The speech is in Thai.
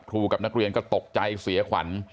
กับนักเรียนก็ตกใจเสียขวัญ